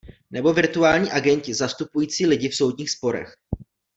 Nebo virtuální agenti zastupující lidi v soudních sporech.